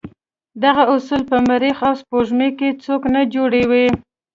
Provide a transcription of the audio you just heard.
دغه اصول په مریخ او سپوږمۍ کې څوک نه جوړوي.